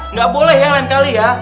nggak boleh yang lain kali ya